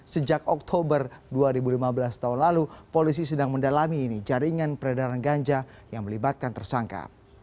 sejak oktober dua ribu lima belas tahun lalu polisi sedang mendalami ini jaringan peredaran ganja yang melibatkan tersangka